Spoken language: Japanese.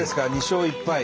２勝１敗。